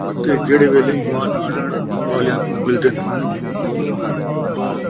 اَتے جِہڑے ویلے ایمان آنݨ والیاں کوں مِلدِن،